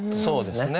そうですね。